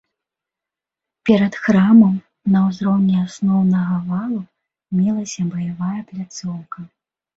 Перад храмам на ўзроўні асноўнага валу мелася баявая пляцоўка.